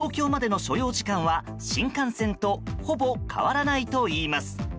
東京までの所要時間は新幹線とほぼ変わらないといいます。